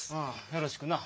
よろしくな。